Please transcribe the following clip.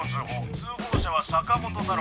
通報者は坂本太郎。